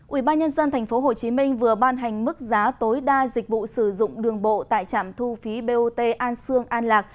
ủy ban nhân dân tp hcm vừa ban hành mức giá tối đa dịch vụ sử dụng đường bộ tại trạm thu phí bot an sương an lạc